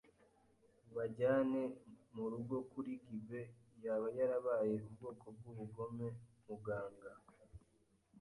ubajyane murugo kuri gibbet yaba yarabaye ubwoko bwubugome. Muganga